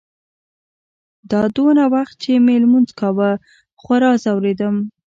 دا دونه وخت چې مې لمونځ کاوه خورا ځورېدم.